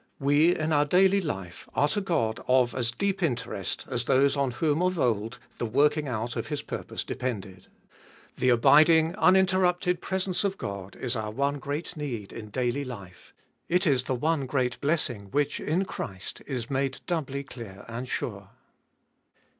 We in our daily life are to God of as deep interest as those on whom of old the working out of His purpose depended. The abiding, uninterrupted presence of God is our one great need in daily life. It is the one great blessing which in Christ is made doubly clear and sure.